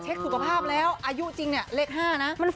สุขภาพแล้วอายุจริงเนี่ยเลข๕นะ